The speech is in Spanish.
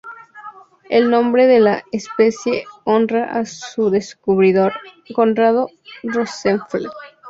El nombre de la especie honra a su descubridor, Corrado Rosenfeld.